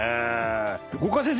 五箇先生